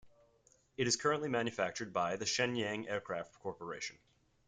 It is currently manufactured by the Shenyang Aircraft Corporation.